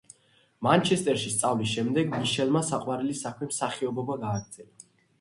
მანჩესტერში სწავლის შემდეგ, მიშელმა საყვარელი საქმე, მსახიობობა გააგრძელა.